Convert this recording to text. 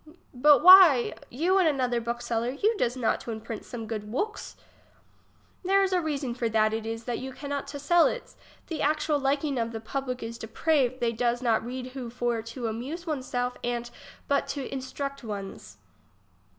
But wliy, you and another book seller, you does not to imprint some good wooks ? There is a reason for that, it is that you cannot to sell its. The actual liking of the public is depraved they does not read who for to amuse one's self ant but to instruct one's.